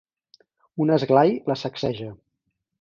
Un esglai la sacseja.